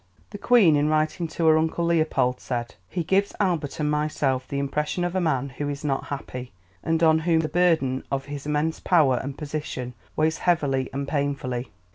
The Queen, in writing to her uncle Leopold, said, "He gives Albert and myself the impression of a man who is not happy, and on whom the burden of his immense power and position weighs heavily and painfully.